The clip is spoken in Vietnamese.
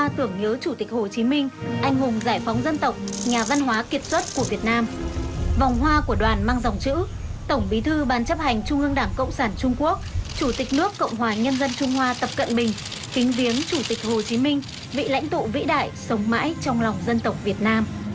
tổng bí thư ban chấp hành trung ương đảng cộng sản trung quốc chủ tịch nước cộng hòa nhân dân trung hoa tập cận bình đã đến đặt vòng hoa và vào lăng viếng chủ tịch hồ chí minh có đồng chí phan đình trạc ủy viên bộ chính trị trưởng ban nội chính trung ương